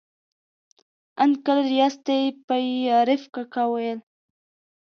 انکل ریاض ته یې په ي عرف کاکا ویل.